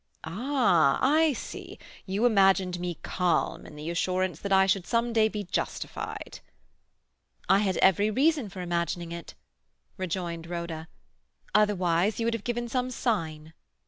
"Ah, I see. You imagined me calm in the assurance that I should some day be justified." "I had every reason for imagining it," rejoined Rhoda. "Otherwise, you would have given some sign."